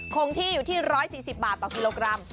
คงที่อยู่ที่๑๔๐บาทต่อกิโลกรัม